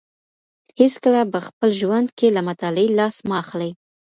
هېڅکله په خپل ژوند کي له مطالعې لاس مه اخلئ.